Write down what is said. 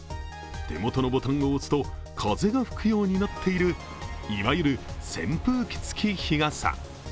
手元のボタンを押すと風が吹くようになっている、いわゆる扇風機付き日傘。